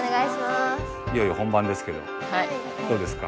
いよいよ本番ですけどどうですか？